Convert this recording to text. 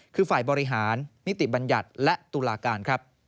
คือฝ่ายบริหารนิติบัญญัติและตุลาการครับ